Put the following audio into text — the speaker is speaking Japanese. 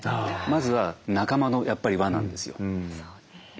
まずは仲間のやっぱり輪なんですよ。